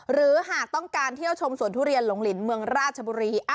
หรือหากต้องการเที่ยวชมสวนทุเรียนหลงลินเมืองราชบุรี